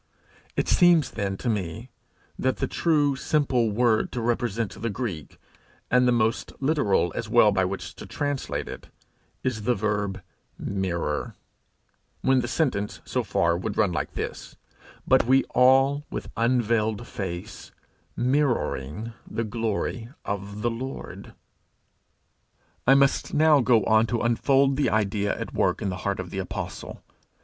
It seems, then, to me, that the true simple word to represent the Greek, and the most literal as well by which to translate it, is the verb mirror when the sentence, so far, would run thus: 'But we all, with unveiled face, mirroring the glory of the Lord, .' I must now go on to unfold the idea at work in the heart of the apostle.